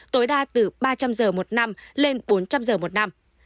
tối đa từ ba trăm linh giờ một năm lên bốn trăm linh giờ một năm